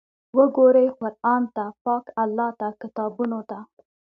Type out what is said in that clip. وګورئ قرآن ته، پاک الله ته، کتابونو ته!